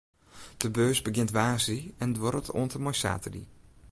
De beurs begjint woansdei en duorret oant en mei saterdei.